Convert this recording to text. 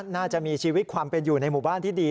น่าจะมีชีวิตความเป็นอยู่ในหมู่บ้านที่ดี